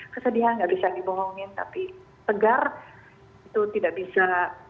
kesedihan tidak bisa dibohongi tapi tegar itu tidak bisa